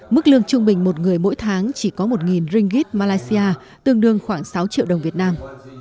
mức lương trung bình một người mỗi tháng chỉ có một ringgit malaysia tương đương khoảng sáu triệu đồng việt nam